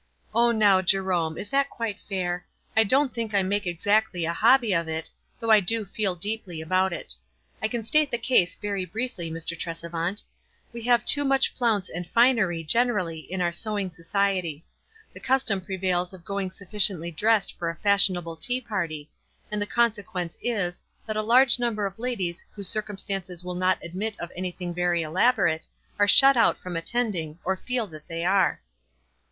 "Ah, now, Jerome, is that quite fair? I don't think I make exactly a hobby of it, though I do feel deeply about it. I can state the case M WISE AND OTHERWISE. 37 very briefly, Mr. Tresevant. We have too much flounce and finery, generally, in our sew ing society. The custom prevails of going suf ficiently dressed for a fashionable tea party ; and the consequence is, that a large number of ladies whose circumstances will not admit of anything very elaborate, are shut out from at tending, or feel that they are."